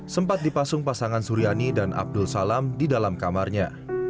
sempat dipasung pasangan suryani dan abdul salam di dalam kamarnya